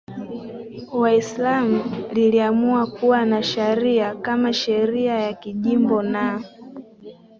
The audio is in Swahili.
Waislamu liliamua kuwa na sharia kama sheria ya kijimbo na